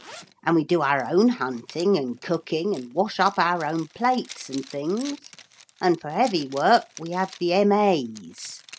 And we do our own hunting and cooking and wash up our own plates and things, and for heavy work we have the M.A.'s.